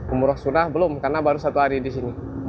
umroh sudah belum karena baru satu hari di sini